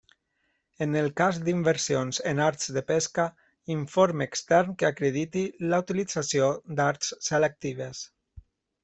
En el cas d'inversions en arts de pesca, informe extern que acrediti la utilització d'arts selectives.